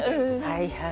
はいはい。